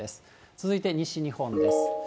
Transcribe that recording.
続いて西日本です。